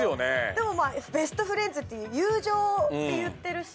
でもまあ「ベストフレンズ」っていう「友情」って言ってるし。